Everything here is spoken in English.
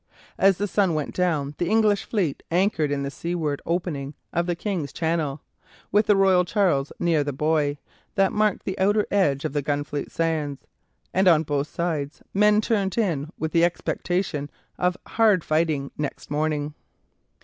As the sun went down the English fleet anchored in the seaward opening of the King's Channel, with the "Royal Charles" near the buoy that marked the outer end of the Gunfleet Sands, and on both sides men turned in with the expectation of hard fighting next morning.